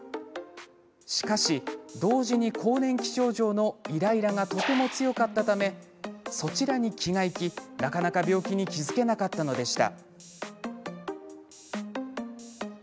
しかし、同時に更年期症状のイライラがとても強かったためそちらに気がいきなかなか病気に気付けなかったのでした。